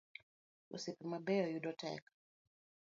Osiepe mabeyo yudo tek